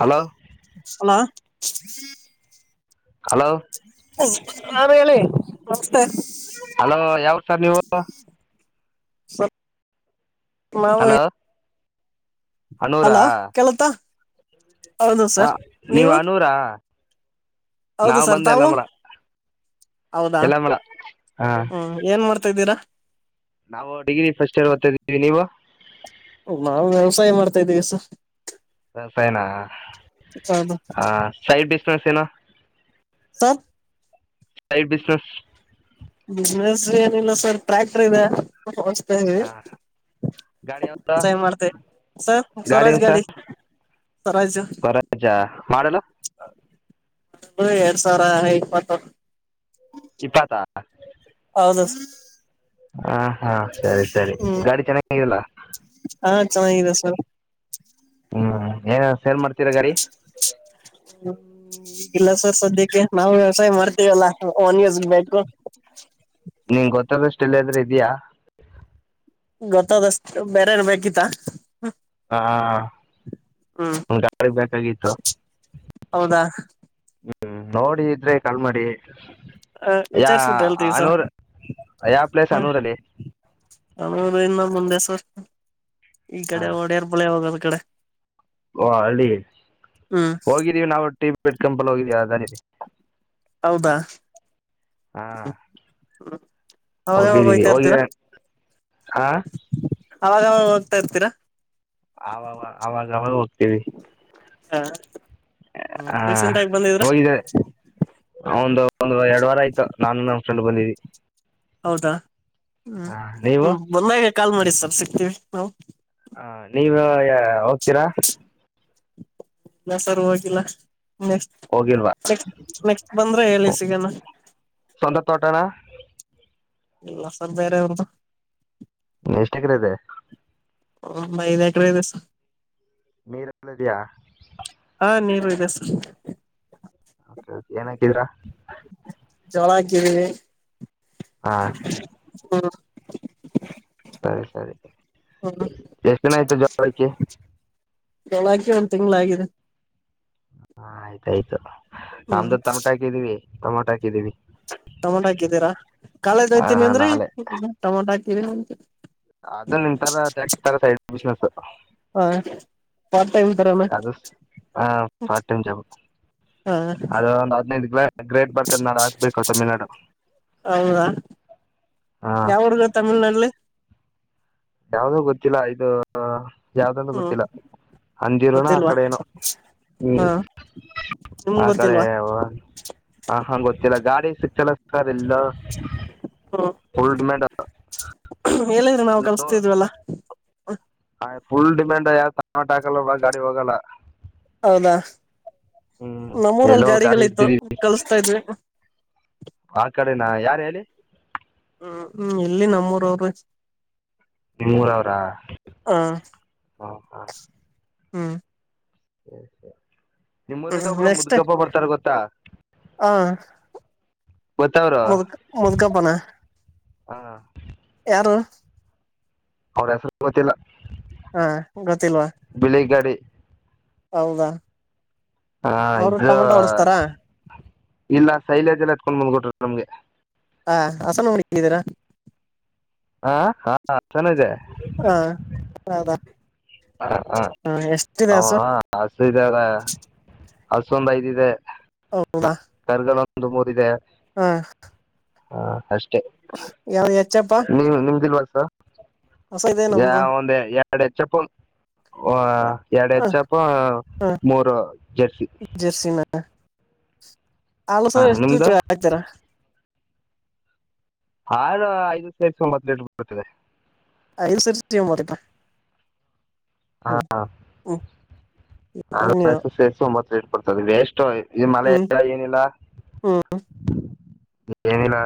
Hello hello ಇ hello ಹ್ ಹ ಹಲೋ ಹೇಳಿ ಹಲ್ಲೋ ಯಾರು ಸರ್ ನೀವು ಸರ್ ನಾವು ಹಲೋ ಹಲೋ ಕೇಳುತ್ತಾ ಹೌದು ಆ ಸರ್ ನೀವ್ ನೀವು ಆನೂರಾ ಹೌದು ಸರ್ ತಾವು ಹೌದಾ ಯಲ್ಲಮಲ ಹಾಂ ಹು ಏನ್ ಮಾಡ್ತಾ ಇದಿರಾ ನಾವು ಡಿಗ್ರಿ ಫಸ್ಟ್ ಇಯರ್ ಓದತಾ ಇದೀವಿ ನೀವು ನಾವು ವ್ಯವಸಾಯ ಮಾಡ್ತಾ ಇದೀವಿ ಸರ್ ವ್ಯವಸಾಯನಾ ಹೌದು ಹ ಸ ಸೆನ್ sir side business. Business sir tractor ಇದೆ ಹೊಸದಾಗಿ ಹಾಂ ಗಾಡಿ ಯಾವ್ದು ಜೈ ಮಾಡ್ತಿವಿ ಸರ್ ಏನು ಸರೋಜ್ ಸರ್ ಗಾಡಿ ಸರೋಜ್ ಸ್ವರಾಜ ಮಾಡಲು [unintelligible] ಎರಡು ಸಾವಿರ ಇಪತ್ತು ಇಪತ್ತ ಹೌದು ಹ ಹ್ ಸರಿ ಸರಿ ಗಾಡಿ ಚನ್ನಾಗಿಲ್ಲ ಚನ್ನಾಗಿದೆ ಸರ್ ಹ್ಮ್ಮ್ ಏನ್ ಸೇಲ್ ಮಾಡ್ತೀರಾ ಗಾಡಿ ಹ ಇಲ್ಲಾ ಸರ್ ಸದ್ಯಕೆ ನಾವು ವ್ಯವಸಾಯ ಮಾಡ್ತೀವಿ ಅಲ್ಲಾ ನಮ್ಮ ಉಜ್ ಗೆ ಬೇಕು. ನಿಂಗ್ ಗೊತ್ತ ಇರೋ ಸ್ಟಿಲ್ ಆದ್ರೂ ಇದಿಯ ಗೊತ್ತಾ ದೋಸ್ತ್ ಬೇರೆಯವರಗೆ ಬೇಕಿತ್ತಾ ಹಾ ಹ್ಮ್ ಒಂದ್ ಯುಕ್ರೇ ಬೇಕಾಗಿತ್ತು ಹೌದಾ ನೋಡಿ ಇದ್ರೆ ಕಾಲ್ ಮಾಡ್. ಹೇ ಹಾ ವಿಚಾರ್ಸ್ಬಿಟ್ಟು ಹೇಳ್ತೀವಿ ಸರ್ ಆನೂರ್ ಆ ಯಾವ ಪ್ಲೇಸ್ ಹ್ಮ್ ಆನೂರಲ್ಲಿ. ನಮ್ಮೂರಿಂದ ಮುಂದೆ ಸರ್ ಈ ಕಡೆ ಹಾಂ ಒಡೆರ್ ಬುಲೆವರ್. ತಡೆ. ಓ ಅಲ್ಲಿ ಹ್ಮ್ ಹೋಗಿದ್ದೀವಿ ನಾವ್ ಟಿ ಬೇಡ್ಕಮ್ ಬರೋಕ್ಕೆ ಇದ್ ವಡಲೇ. ಹೌದಾ ಹಾಂ ಅವಾಗವಾಗಾ ಹೋಗಿದೀವಿ ಹೋಗ್ತಾ ಹೋಗಿ ಇರ್ತೀರಾ. ಹಾಂ ಅವಾಗವಾಗ ಹೋಗ್ತಾ ಇರ್ತೀರಾ. ಅವಾ ಅವಾಗವಾಗ ಹೋಗ್ತಿವಿ ಹಾ ಹಾ ಹೋಗಿದೆ ಅವಂದು. ಒಂದ್ ಎರಡು ವಾರ ಆಯ್ತು ನಾನು ನನ್ ಫ್ರೆಂಡ್ ಬಂದಿದದಿವಿ. ಹೌದಾ ಹಾ ಹಾಂ ನೀವು ಹ್ಮ್ಮ್ ಬಂದಾಗೇ ಕಾಲ್ ಮಾಡಿ ಸಾರ್. ಸಿಕ್ತೀವಿ ನಾವು. ಹಾ ನೀವು ಯ ಔ. ತೀರಾ. ಇಲ್ಲ ಸರ್ ಹೋಗಿಲ್ಲ. ನೆಕ್ಸ್ಟ್ ಹೋಗಿಲ್ವಾ ನೆಕ್ಸ್ಟ್ ನೆಕ್ಸ್ಟ್ ಬಂದ್ರೆ ಹೇಳಿ ಸಿಗಣ. ಸ್ವಂತ ತೋಟನಾ ಇಲ್ಲ ಸಾರ್ ಬೇರೆಯಬರದ್. ಎಷ್ಟು ಎಕ್ರೆ ಇದೆ ಒಂದ್ ಐದು ಎಕ್ರೆ ಇದೆ ಸರ್. ನೀರ ಎಲ್ಲ ಇದೇಯಾ. ಆ ನೀರು ಇದೆ ಸರ್. ಓಕೆ ಓಕೆ ಏನ್ ಹಾಕಿದಿರಾ. ಜೋಳ ಹಾಕಿದಿವಿ. ಹಾ ಹ್ಮ್ಮ್. ಸರಿ ಸರಿ ಎಷ್ಟು ದಿನ ಆಯ್ತು ಜೋಳ ಹಾಕಿ. ಜೋಳ ಹಾಕಿ ಒಂದ್ ತಿಂಗಳಾಗಿದೆ. ಆ ಆಯ್ತಾಯ್ತು ಹ್ಮ್ ನಮ್ದು ತಮಟ ಹಾಕಿದೀವಿ. ಟಮಟ ಹಾಕಿದಿವಿ. ಟಮೋಟ ಹಾಕಿದ್ರಾ ಕಳೆ ಹಾಂ ತೆಗಿತೀನಿ ಅಂದ್ರೆ ನಾಳೆ ಟೊಮೊಟೊ ಹಾಕ್. ಹ ಪಾರ್ಟ್ ಟೈಮ್ ತರಾನ ಹ ಹ ಸ ಹ ಸ ಹ್ಮ್ ಗೊತ್ತಿಲ್ವಾ ಹಾ ನಿಮ್ಗ್ ಗೊತ್ತಿಲ್ವಾ ಹ ಹ ಸ ಹ ಎಲ್ಲೋ ಒಂದ್ ಗಾಡಿ ಇರ್ತಿದೀವಿ ಹ ಹ ಹ ಹ ಹ ನೆಕ್ಸ್ಟ್ ಹ ಹ ಹ ಹ ಸ ಹ ಹ ಬಿಳಿ ಗಾಡಿ ಹ ಹ ಹ ಹ ಹ ಹ ಹೌದಾ ಹ ಎಷ್ಟಿದೆ ಹಸು ಭ ಹ ಹ ಹ ಹ ಹ ಹ ಯಾವ ಹೆಚ್ಚಪ್ಪಾ ಹೊಸ ಇದೆ ನಮ್ದು ಹ ಹ ಹ ಜರ್ಸಿನ [inaudible] ನಿಮ್ದು [unintelligible] ಐವತ್ತೈದು ತೊಂಬತ್ತೇಳು ಬರ್ತಿದೆ [unintelligible] ಹ್ಮ್ ಹ್ಮ್ ನೀವು ಅದು ಸೇರಿಸು ವೇಸ್ಟು ಈ ಮಳೆ ಹ್ಮ್ ಇಲ್ಲ ಏನಿಲ್ಲ ಹ್ಮ್ ಏನಿಲ್ಲ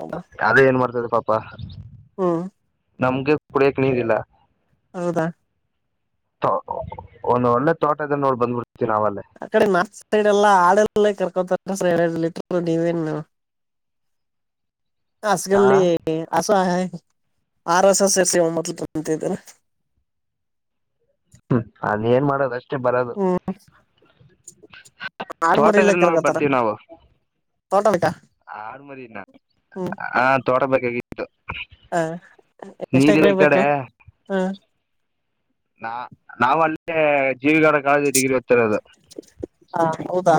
ಹೌದಾ ಅದೇ ಏನ್ ಮಾಡ್ತಿದ್ದೀಯಾ ಪಾಪ ಹ್ಮ್ ನಮಗೆ ಕುಡಿಯೋಕೆ ನೀರಿಲ್ಲ ಹೌದಾ ಒಂದು ಒಳ್ಳೆ ತೋಟದಲ್ಲಿ ಹೋಗ್ ಬಂದ್ಬಿಡ್ತೀನಿ ಆ ಕಡೆ ನೋಡ್ಸರೆಲ್ಲ ಆಡಲ್ನೆ ಕರ್ಕೊಂತಾರ [unintelligible] ನೀವೇನು ಆ ಅಸ್ಗಲ್ಲಿ ಆರ್‌ಎಸ್‌ ಸೇರಿ ಒಂಬತ್ತು ತಿಂತೀವಿ ಅದೇನ್ ಮಾಡೋದು ಅಷ್ಟ ಅಷ್ಟೇ ಬರೋದು ಹ್ಮ್ ಆಡ್ ಮರಿಲ್ಲ ತೋಟದಲ್ಲಿ ನೋಡು ಕರ್ಕತಾರ ಬರುತ್ತೇವೆ ನಾವು ತೋಟ ಬೇಕಾ ಆರುವರಿನ ಹ್ಮ್ ತೋಟ ಬಗ್ಗೆ ಇತ್ತು ಎಷ್ಟ ಎಕರೆ ಕಡೆ ಬೇಕು ನಾ ನಾವಲ್ಲೆ [unintelligible] ಕಾಲೇಜಿನಲ್ಲಿ ಓದ್ತಿದ್ವಿ ಆ ಹೌದಾ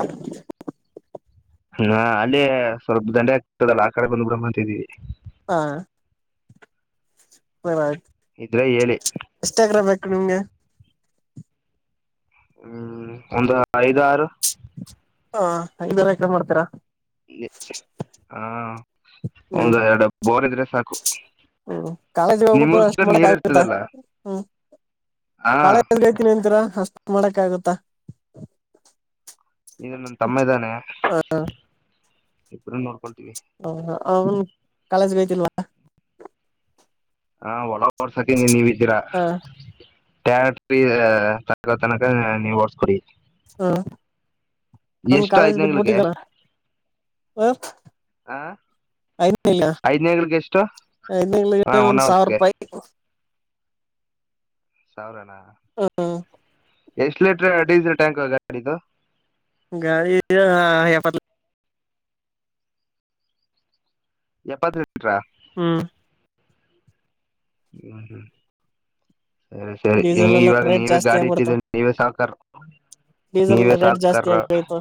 ಹಾ ಅಲ್ಲೇ ಸ್ವಲ್ಪ ದಡಿ ಆಗ್ತಿದೆಯಲ್ಲ ಆ ಕಡೆ ಬಂದ್ಬಿಡವಿ ಅಂತಿದಿವಿ ಹ [unintelligible] ಇದ್ರೆ ಹೇಳಿ ಎಷ್ಟು ಎಕ್ರೆರೇ ಬೇಕು ನಿಮಗೆ ಹ್ಮ್ ಒಂದು ಐದಾರು ಹಾರು ಹ ಐದಾರ್ ಆರು ಎಕರೆ ಮಾಡ್ತೀರಾ ಹ ಹೌದು ಎರಡು ಬೋರ್ ಇದ್ರೆ ಕಾಲೇಜಿಗ್ ಹೋಗ್ಬೇಕು ನಿಮ್ಮೂರ್ ಅಷ್ಟ್ ಕಡೆ ಮಾಡಕ್ಕ ನೀರ್ ಆಗ್ತಾಯ್ತ ಇರ್ತದಲ್ಲ ಹ್ಮ್ ಹಾ ಕಾಲೇಜಿಗ್ ಹೋಗ್ತೀನಂತೀರೋ ಅಷ್ಟ್ ಮಾಡಕ್ಕಾಗುತ್ತಾ ಈಗ ನನ್ ತಮ್ಮ ಇದ್ದಾನೆ ಇಬ್ರೂನೂ [unintelligible] [unintelligible] [unintelligible] ಹ [unintelligible] [unintelligible] ಎಷ್ಟು ಕಾಲೇಜ್ ಐದನೇಗಳಿಗೆ ಬಿಟ್ಟಿದ್ದೀಯ ಐದನೇಗಳಿಗೆ ಎಷ್ಟು ಹಾ ಏನಿಲ್ಲಾಂದರೂ ಒನ್ ಒಂದು ಸಾವಿರ ಅವರ್ಗೆ ರೂಪಾಯಿ. ಸಾವಿರನ ಎಷ್ಟು ಲೀಟರ್ ಡೀಸೆಲ್ ಟ್ಯಾಂಕ್ ಗಾಡಿದುು ಗಾಳ ಹಾಪ್ಪತ್ಲ ಎಪ್ಪತ್ತು ಲೀಟರ್ ಹ್ಮ್ ಹ್ಮ ಹ್ಮ ಸರಿ ಸರಿ ಹೆಂಗ ಡೀಸೆಲ್ ಎಲ್ಲ ಇವಾಗ ರೇಟ್ ನೀವೇ ಜಾಸ್ತಿ ಗಾಡಿ ಆಗ್ಬಿಡ್ತು ಇಟ್ಟಿದ ನೀವೇ ಸಾಕಾರ ಡೀಸೆಲ್ ಎಲ್ಲ ನೀವೇ ರೇಟ್ ಜಾಸ್ತಿ ಸಾಕಾರ ಆಗೋಯ್ತು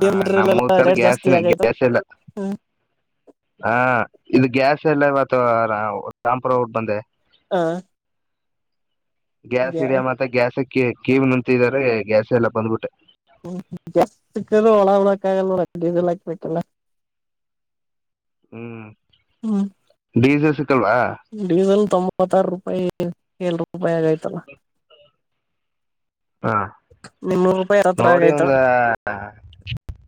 ಹ ಮೆಟೀರಿಯಲ್ ನಮ್ಮೂರ್ ಎಲ್ಲ ಕಡೆ ರೇಟ್ ಗ್ಯಾಸ್ ಜಾಸ್ತಿ ಆಗೋಯ್ತು ಗ್ಯಾಸ್ ಎಲ್ಲ ಹ್ಮ್ ಹಾ ಇದು ಗ್ಯಾಸ್ ಎಲ್ಲ ಇವತ್ತುಂಪರ ಉಟ್ ಬಂದೆ ಹಾ ಗ್ಯಾಸ್ ಇದಿಯಾ ಮತ್ತೆ ಗ್ಯಾಸ್ ಕೇವ ನಂತ ಇದ್ದಾರೆ ಗ್ಯಾಸ್ ಎಲ್ಲ ಬಂದ್ಬಿಟ್ಟೆ ಲ್ಲಲ್ಲ ಹಾಕ್ಬೇಕಲ್ಲ ಹ್ಮ್ ಹ್ಮ್ ಬಿಸಸ್ ಡೀಸೆಲ್ ತೊಂಬತ್ತಾರ ಕೆಲ್ ರೂಪಾಯಿ ಆಗೈ್ತಲ್ಲ ಹಾ ನೋಡಿ ಒಂದ್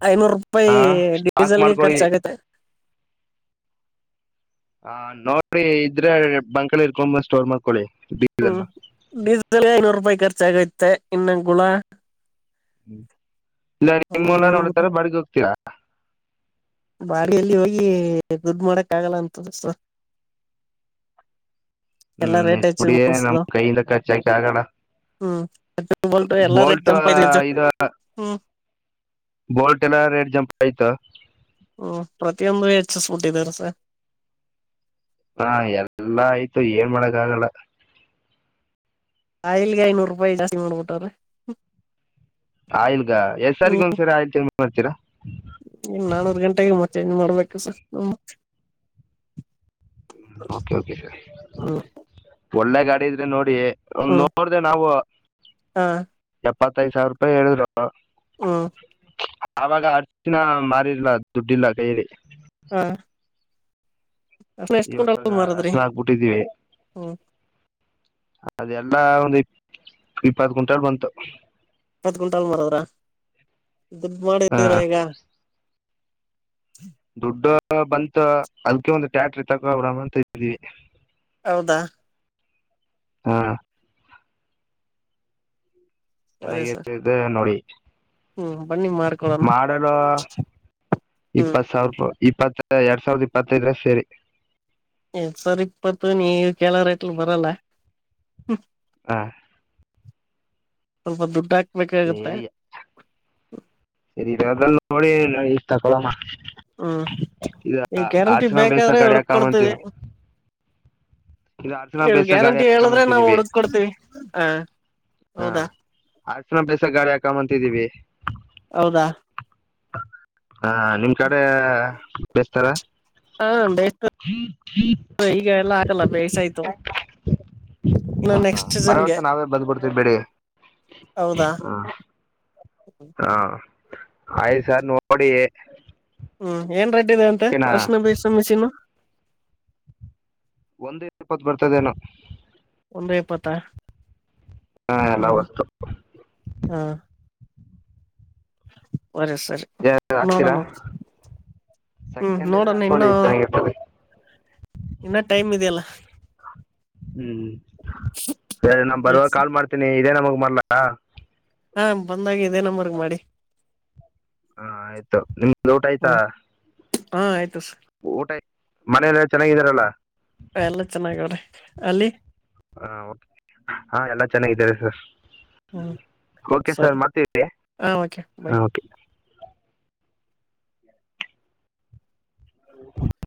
ಆಯ್ನೂರು ರೂಪಾಯಿ ಹಾ ಸ್ಟಾಕ್ ಡೀಸೆಲ್ಗೆ ಮಾಡ್ಕೊಳ್ಳಿ ಖರ್ಚಾಗುತ್ತೆ. ಹ ನೋಡಿ ಇದ್ರೆ ಬಂಕಳ ಇರ್ಕೊಂಬ ಸ್ಟೋರ್ ಮಾಡಕೊಳ್ಳಿ ಹ್ಮ್ ಡೀಸೆಲ್ ಐನೂರು ರೂಪಾಯಿ ಖರ್ಚ ಹೆಚ್ಚಾಗೈತೆ ಇನ್ನೊ ಗುಳ ಹ್ಮ್ ಇಲ್ಲ ಅವು ನಿಮ್ಮ್ಲ್ಲ ಇವು ನೋಡಿತರ ಬಡಿಗೆ ಹೋಗ್ತೀರಾ ಬಾಡಿಯಲ್ಲಿ ಹೋಗಿ ದುಡ್ಡು ಮಾಡಕ್ ಆಗಲ್ಲ ಅಂತಸ ಹ್ಮ್ ಎಷ್ಟ ಪುಡಿ ನಮ್ ಕೈಯಿಂದ ಖರ್ಚಾಕ ಆಗೋಣ ಹ್ಮ್ ಟ್ಯೂಬಲ್ ಟು ಎಲ್ಲಾ ರೇಟ್ ಬೋಲ್ಟ್ ಜಂಪ್ ಆಯ್ತು ಐದು ಹ್ಮ್ ಹೋಟೆಲ್ ರೇಟ್ ಜಂಪ್ ಆಯತಾ ಹ್ಮ್ ಪ್ರತಿಯೊಂದು ಹೆಚ್ಚಿಸಬಿಟ್ಟಿದಾರಸ ಹಾ ಎಲ್ಲಾ ಆಯ್ತು ಏನ್ ಮಾಡಕ್ಕ ಆಗಲ್ಲ ಆಯಿಲ್ಗೆ ಐನೂರು ರೂಪಾಯಿ ಜಾಸ್ತಿ ಮಾಡೋಬಿಟ್ಟ್ರ ಆಯಿಲ್ಗ ಎಸ್ ಸಾರಿಗೆ ಒಂದ್ರಿ ಆಯ ಮಾಡ್ತೀರಾ ಇ ನಾನೂರು ಗಂಟೆಗೆ ಮತ್ತೆೇಂಜ್ ಮಾಡ್ಬೇಕು ಸ ನಮ್ಮ ಓಕೆ ಓಕೆ ಸರ್. ಒಳ್ಳೆ ಗಾಡಿ ಇದ್ರೆ ನೋಡಿ. ಒ ಹ್ಮ್ ನೋಡ್ದ ನಾವು ಹಾ ಎ ಪತ್ತೈದು ಸಾವಿರ ರೂಪಾಯಿ ಏಳುದ್ರು. ಹೂಂ. ಆವಾಗ ಅರ್ಚಿನ ಮಾರಿಲ್ಲ ದುಡ್ಡಿಲ್ಲ ಕೈಯಲ್ಲಿ. ಹಾ ಅ ಎಷ್ಟಕೊಂಡ ಇವಾಗ [unintelligible] ಮಾರದ್ರಿ ಅರ್ಶಿನ ಹಾಕ್ಬಿಟ್ಟಿದೀವಿ ಹೂಂ ಅದೆಲ್ಲಾ ಒಂದು ಇಪ್ಪತು ಗುಂಟೆ ಬಂತು. ಹತ್ ಕುಂಟಾಲ್ ಮಾರುದ್ರೆ ದುಡ್ ಹಾ ಮಾಡಿದ್ದೀರಾ ಈಗ. ದುಡ್ಡು ಬಂತು, ಅದ್ಕೆ ಒಂದು ಟ್ರಾಕ್ಟರ್ ತಗೊಳೋಣ ಅಂತ ಇದ್ವಿ. ಹೌದಾ ಹಾ ಚೆನ್ನಾಗೆ ಇರ್ತದೆ ನೋಡಿ. ಹೂಂ ಮಾಡಲೋ ಹ್ಮ್ ಇಪ್ಪತ್ತು ಸಾವ್ರ ರುಪಾಯಿ. ಇಪ್ಪತ್ತ ಎರಡು ಸಾವಿರದ ಇಪ್ಪತ್ತೈದು ಇದ್ರೆ ಸರಿ. ಎರಡು ಸಾವಿರದ ಇಪ್ಪತ್ತು ನೀವು ಕೇಳೋ ರೇಟ್ ಅಲ್ಲಿ ಬರಲ್ಲ. ಹಾ ಸ್ವಲ್ಪ ದುಡ್ಡಾಕಿ. ಬೇಕಾಗುತ್ತೆ. ಸೇರಿ ಇದನ್ ನೋಡಿ ಇಲ್ ತಗಳೊಮಾ. ಹೂಂ ಈಗ್ ಗ್ಯಾರಂಟಿ ಅರ್ಶನ ಬೇಸ ಬೇಕಾದ್ರೆ ಗಾಡಿ ಹಿಡುದ್ ಕೊಡ್ತಿವಿ. ಹಾಕೊಂಬಂತೀವಿ ಇದು ಅರ್ಶನ ನೀವ್ ಬೇಸ ಗಾಡಿ ಗ್ಯಾರಂಟಿ ಹೇಳುದ್ರೆ ನಾವ್ ಹಾಕೊಂಬಂತಿದೀವಿ ಹೊಡುಸ್ಕೊಡ್ತೀವಿ. ಆ ಆ [unintelligible] ಗಾಡಿ ಹಾಕೊಂಡ್ ಬಂದಿದಿವಿ. ಹೌದಾ ಆ ನಿಮ್ ಕಡೆ ಬೆಸ್ಟ್ ಅಲ. ಹಾ ಬೇಯ್ತ [inaudible] ಈಗ ಎಲ್ಲ ಆಗಲ್ಲ ಬೇಯ್ಸಾಯ್ತು ಇನ್ನು ನೆಕ್ಸ್ಟ್ ಬರೋ ಸೀಸನ್ಗೆ ಅಷ್ಟ್ರಲ್ ನಾವೇ ಬಂದ್ಬಿಡ್ತಿವಿ ಬಿಡಿ ಹೌದಾ ಅ ಅ ಅ. ಅಯ್ ಸರ್ ನೋಡಿ. ಹೂಂ ಏನ್ ಬೈತಿನಂತೆ ಓಕೆನಾ ವಾಷ್ನ ಬೇಸಿನ ಮೆಷಿನು. ಒಂದು ಇಪ್ಪತ್ತು ಬರ್ತದೇನೋ. ಒಂದು ಎಪ್ಪತ್ತ? ಹಾ ಎಲ್ಲ ವಸ್ತು. [inaudible] [unintelligible] ಏ, ಹೂ ಹಾಕ್ತೀರಾ ಸೆಕೆಂಡ್ ಇದ್ರೆ ನೋಡನ ಹಾಕೊಳ್ಳಿ ಇನ್ನೂ ಚೆನ್ನಾಗಿರ್ತದೆ ಇನ್ನ ಟೈಮ್ ಇದಿಯಲ್ಲ ಹೂ ಸರಿ. ನಾನ್ ಬರುವಾಗ ಈಗ ಕಾಲ್ ಮಾಡ್ತೀನಿ ಇದೆ ನಂಬರ್ [unintelligible] ಅಹ್ ಬಂದಾಗ್ ಇದೆ ನಂಬರ್ಗೆ ಮಾಡಿ ಹಾ ಆಯ್ತು, ನಿಮ್ದು ಊಟ ಆಯ್ತಾ? ಹ ಆಯ್ತು ಸಾರ್ ಊಟ ಮನೇಲ್ ಎಲ್ಲ ಚನ್ನಾಗಿದರಲ? ಎಲ್ಲಾ ಚೆನ್ನಾಗವ್ರೆ ಅಲ್ಲಿ ಹ ಓಕೆ, ಆ ಎಲ್ಲ ಚೆನ್ನಾಗಿದ್ದಾರೆ ಸರ್ ಹೂ ಓಕೆ ಸರ್ ಸರಿ, ಮಾಡ್ತೀವಿ ಹ ಓಕೆ ಹಾ ಬಾಯ್ ಓಕೆ